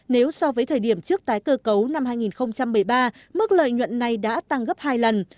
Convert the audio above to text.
nếu so với thời điểm trước tái cơ cấu năm hai nghìn một mươi ba mức lợi nhuận này đã tăng gấp hai lần